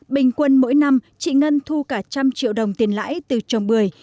bình quân mỗi năm chị ngân thu cả trăm triệu đồng tiền lãi từ trồng bưởi